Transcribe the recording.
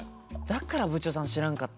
だから部長さん知らんかった。